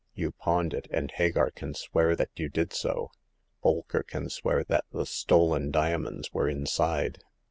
You pawned it, and Hagar can swear that you did so. Bolker can swear that the stolen diamonds were inside.